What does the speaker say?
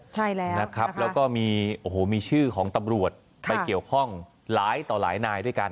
ใช่แล้วแล้วก็มีชื่อของตำรวจไปเกี่ยวข้องหลายต่อหลายนายด้วยกัน